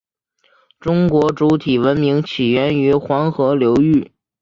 中国主体文明起源于黄河流域。